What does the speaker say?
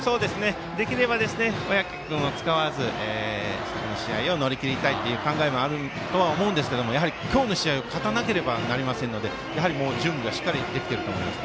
できれば小宅君を使わずこの試合を乗り切りたい考えもあると思うんですけどやはりきょうの試合を勝たなければなりませんので準備はしっかりできていると思います。